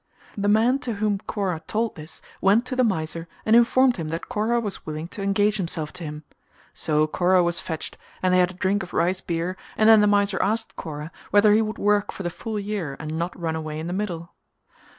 The man to whom Kora told this went to the miser and informed him that Kora was willing to engage himself to him; so Kora was fetched and they had a drink of rice beer and then the miser asked Kora whether he would work for the full year and not run away in the middle.